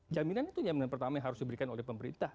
jaminan itu jaminan pertama yang harus diberikan oleh pemerintah